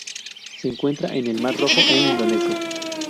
Se encuentra en el Mar Rojo e Indonesia.